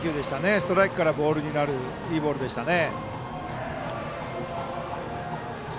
ストライクからボールになるいいボールでしたね。